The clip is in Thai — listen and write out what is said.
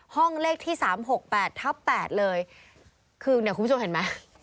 ห้องเลขที่๓๖๘ทับ๘เลยคือเนี่ยคุณผู้ชมเห็นไหม